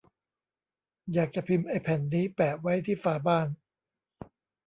อยากจะพิมพ์ไอ้แผ่นนี้แปะไว้ที่ฝาบ้าน !